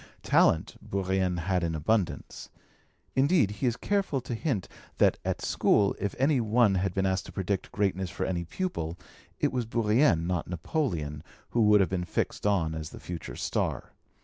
Talent Bourrienne had in abundance; indeed he is careful to hint that at school if any one had been asked to predict greatness for any pupil, it was Bourrienne, not Napoleon, who would have been fixed on as the future star.